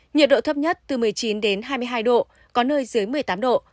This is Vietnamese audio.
nhiệt độ thấp nhất từ một mươi chín đến hai mươi hai độ có nơi dưới một mươi tám độ